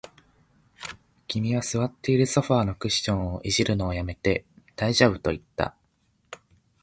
君は座っているソファーのクッションを弄るのを止めて、大丈夫と言った